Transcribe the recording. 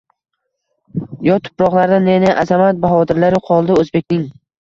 Yot tuproqlarda ne-ne azamat, bahodirlari qoldi, o`zbekning